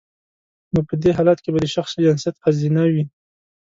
نو په دی حالت کې به د شخص جنسیت خځینه وي